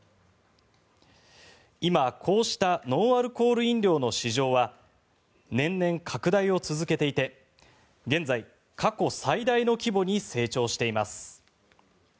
今、こうしたノンアルコール飲料の市場は年々拡大を続けていて現在、過去最大の規模に成長しています。